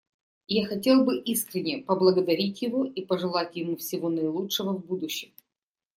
Я хотел бы искренне поблагодарить его и пожелать ему всего наилучшего в будущем.